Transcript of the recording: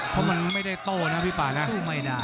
เพราะมันไม่ได้โตนะพี่ปาน่ะ